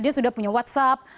dia sudah punya whatsapp